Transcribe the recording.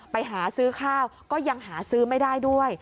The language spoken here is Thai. ไปหาซื้อข้าวก็ยังหาซื้อไม่ได้ด้วย